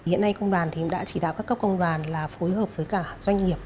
hiện nay công đoàn đã chỉ đạo các cấp công đoàn là phối hợp với cả doanh nghiệp